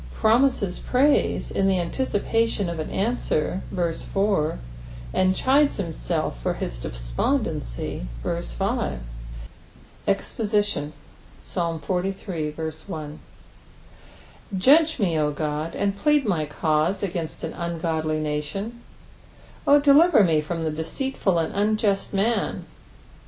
Promises praise in the onficipoiion <^ an answer, verse i, and chides hirnsdffor his despondency, verse 5. EXPOSITION. JUDGE me, O God, and plead my cause against an ungodly nation : O deliver me from the deceitful and unjust man.